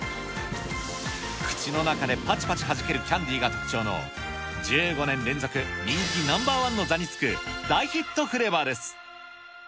口の中でぱちぱちはじけるキャンディーが特徴の１５年連続、人気ナンバーワンの座につく大ヒットフレーバーです。